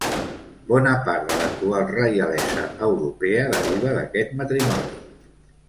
Bona part de l'actual reialesa europea deriva d'aquest matrimoni.